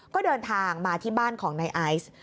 ก็เดินทางมาที่บ้านของนายไอซ์